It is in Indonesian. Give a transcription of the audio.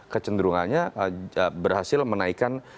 kecenderungannya berhasil menaikkan